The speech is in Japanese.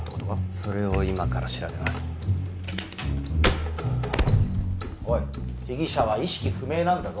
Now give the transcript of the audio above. それを今から調べますおい被疑者は意識不明なんだぞ